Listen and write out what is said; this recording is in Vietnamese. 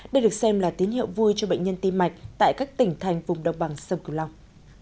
đây được xem là tín hiệu vui cho bệnh nhân tim mạch tại các tỉnh thành vùng đồng bằng sông cửu long